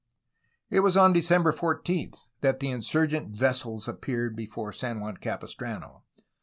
It was on December 14 that the insurgent vessels appeared before San Juan Capistrano.